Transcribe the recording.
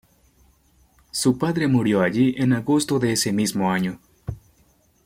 Su padre murió allí en agosto de ese mismo año.